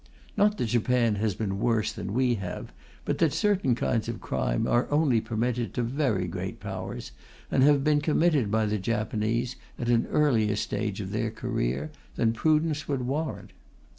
Not that Japan has been worse than we have, but that certain kinds of crime are only permitted to very great Powers, and have been committed by the Japanese at an earlier stage of their career than prudence would warrant.